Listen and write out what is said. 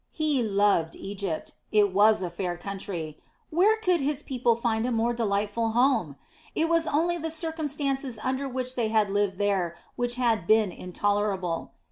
He loved Egypt. It was a fair country. Where could his people find a more delightful home? It was only the circumstances under which they had lived there which had been intolerable.